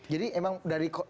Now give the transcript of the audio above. jadi emang dari